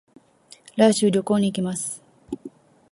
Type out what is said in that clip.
来週、旅行に行きます。